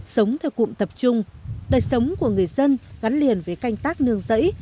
sống theo cụm tập trung đời sống của người dân gắn liền với canh tác nương dẫy